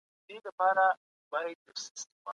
د خپل توان سره سم پرواز وکړئ.